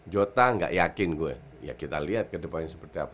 jota nggak yakin gue ya kita lihat ke depannya seperti apa